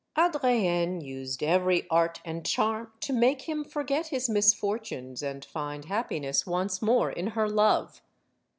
Adrienne used every art and charm to make him forget his misfortunes and find happiness once more in her love.